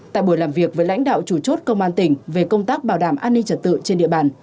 tại buổi làm việc với lãnh đạo chủ chốt công an tỉnh về công tác bảo đảm an ninh trật tự trên địa bàn